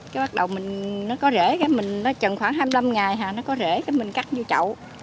cái bắt đầu mình nó có rễ cái mình nó chần khoảng hai mươi năm ngày hà nó có rễ cái mình cắt vô chậu